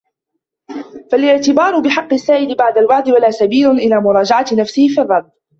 فَالِاعْتِبَارُ بِحَقِّ السَّائِلِ بَعْدَ الْوَعْدِ وَلَا سَبِيلَ إلَى مُرَاجَعَةِ نَفْسِهِ فِي الرَّدِّ